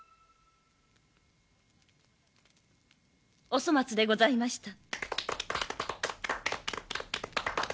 お粗末でございました。